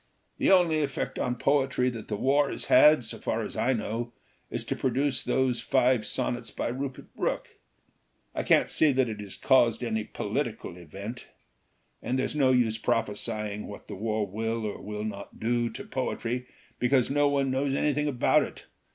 l The only effect on poetry that the war has had, so far as I know, is to produce those five sonnets by Rupert Brooke. I can't see that it has caused any poetical event. And there's no use prophesy ing what the war will or will not do to poetry, because no one knows anything about it.